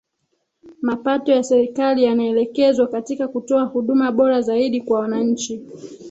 Mapato ya serikali yanaelekezwa katika kutoa huduma bora zaidi kwa wananchi